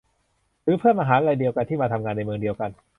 หรือเพื่อนมหาลัยเดียวกันที่มาทำงานในเมืองเดียวกัน